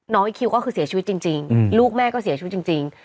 ไอ้คิวก็คือเสียชีวิตจริงลูกแม่ก็เสียชีวิตจริง